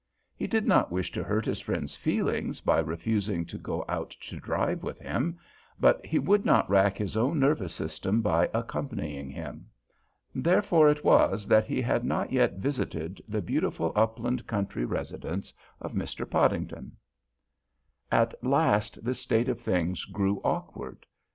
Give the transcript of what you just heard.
He did not wish to hurt his friend's feelings by refusing to go out to drive with him, but he would not rack his own nervous system by accompanying him. Therefore it was that he had not yet visited the beautiful upland country residence of Mr. Podington. At last this state of things grew awkward. Mrs.